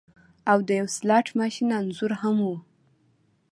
او د یو سلاټ ماشین انځور هم و